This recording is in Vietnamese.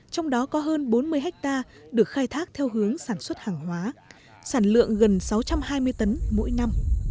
trong đó có hơn bốn mươi hectare được khai thác theo hướng sản xuất hàng hóa sản lượng gần sáu trăm hai mươi tấn mỗi năm